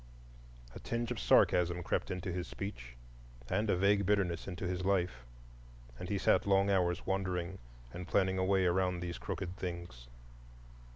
A tinge of sarcasm crept into his speech, and a vague bitterness into his life; and he sat long hours wondering and planning a way around these crooked things.